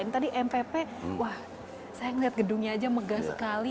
tadi mpp wah saya ngeliat gedungnya aja megah sekali